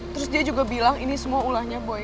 terus dia juga bilang ini semua ulahnya boy